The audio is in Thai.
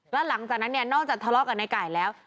แล้วหลังจากนั้นนอกจากทะเลาะกับในไก่แล้ว